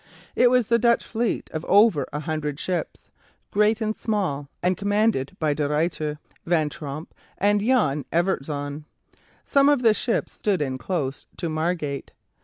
It was the Dutch fleet of over a hundred ships, great and small, and commanded by De Ruyter, Van Tromp, and Jan Evertszoon. Some of the ships stood in close to Margate.